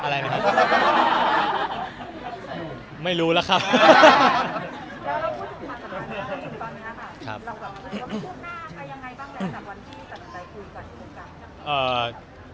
เราไม่พูดหน้ายังไงบ้างแล้วจากวันที่สำหรับได้คุยกันอยู่กัน